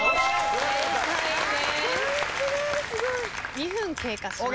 ２分経過しました。